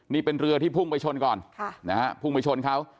นี่เป็นเรือที่พุ่งไปชนก่อนพุ่งไปชนเขา